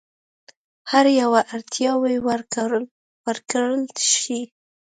هر یوه اړتیاوو ورکړل شي.